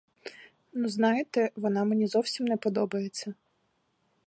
Ну, знаєте, вона мені зовсім не подобається.